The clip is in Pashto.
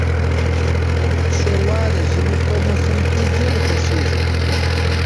شوروا د ژمي په موسم کې ډیره خوښیږي.